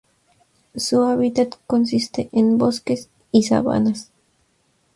Su hábitat consiste en bosques y sabanas.